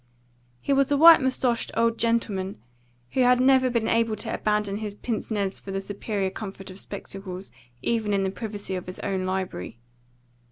He was a white moustached old gentleman, who had never been able to abandon his pince nez for the superior comfort of spectacles, even in the privacy of his own library.